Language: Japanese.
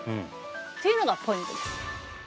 ていうのがポイントです。